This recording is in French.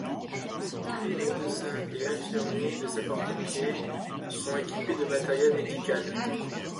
Les médecins et infirmiers de sapeurs-pompiers sont équipés de matériel médical.